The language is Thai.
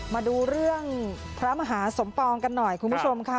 มาดูเรื่องพระมหาสมปองกันหน่อยคุณผู้ชมค่ะ